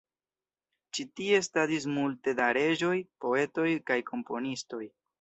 Ĉi tie estadis multe da reĝoj, poetoj kaj komponistoj.